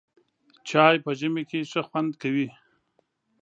چای په ژمي کې ښه خوند کوي.